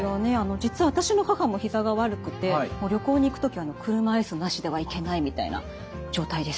実は私の母もひざが悪くて旅行に行く時は車椅子なしでは行けないみたいな状態です。